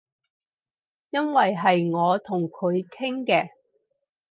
因爲係我同佢傾嘅